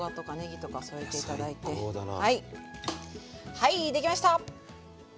はい出来ました！